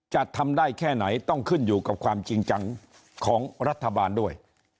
จะทำได้แค่ไหนต้องขึ้นอยู่กับความจริงจังของรัฐบาลด้วย